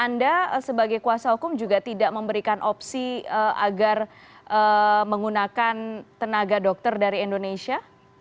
anda sebagai kuasa hukum juga tidak memberikan opsi agar menggunakan tenaga dokter dari indonesia